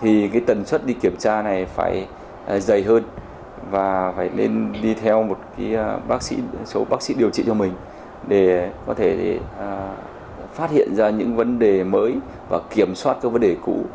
thì tần suất đi kiểm tra này phải dày hơn và phải nên đi theo một bác sĩ số bác sĩ điều trị cho mình để có thể phát hiện ra những vấn đề mới và kiểm soát các vấn đề cũ